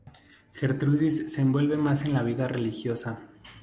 Gertrudis se envuelve más en la vida religiosa.